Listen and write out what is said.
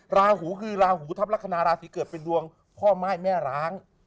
ราหูคือลาหูทัพลักษณะราศีเกิดเป็นดวงพ่อม่ายแม่ร้าง